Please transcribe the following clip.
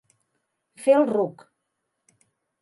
Fer el ruc.